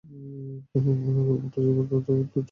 মনেকর ব্লোজব অথবা দুধ টেপাটেপি।